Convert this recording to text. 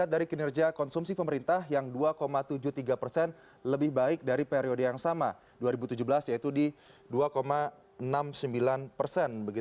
dari kinerja konsumsi pemerintah yang dua tujuh puluh tiga persen lebih baik dari periode yang sama dua ribu tujuh belas yaitu di dua enam puluh sembilan persen